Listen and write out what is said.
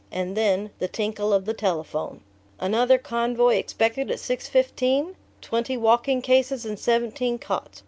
And then ... the tinkle of the telephone.... "Another convoy expected at 6.15? Twenty walking cases and seventeen cots.